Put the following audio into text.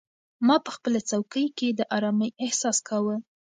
ما په خپله څوکۍ کې د ارامۍ احساس کاوه.